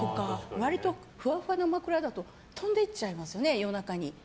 割とふわふわの枕だと飛んで行っちゃいますよね。